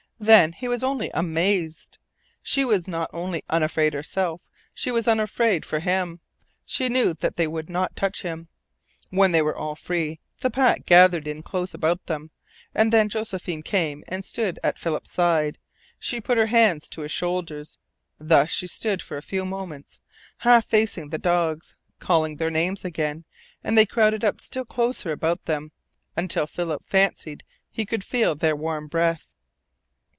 Then he was only amazed. She was not only unafraid herself; she was unafraid for him. She knew that they would not touch him. When they were all free the pack gathered in close about them, and then Josephine came and stood at Philip's side, and put her hands to his shoulders. Thus she stood for a few moments, half facing the dogs, calling their names again; and they crowded up still closer about them, until Philip fancied he could feel their warm breath.